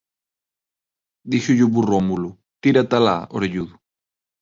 Díxolle o burro ao mulo: "Tírate alá, orelludo!".